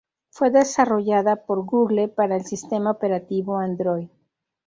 Fue desarrollada por Google para el sistema operativo Android.